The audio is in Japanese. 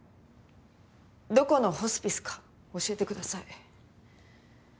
どこのホスピスか教えてください。